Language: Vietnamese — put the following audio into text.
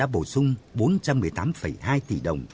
bổ sung bốn trăm một mươi tám hai tỷ đồng